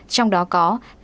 trong đó có